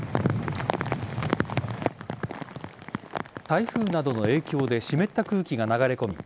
台風などの影響で湿った空気が流れ込み